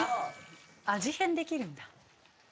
味変できるんだ。